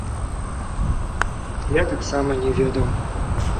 Я таксама не ведаў.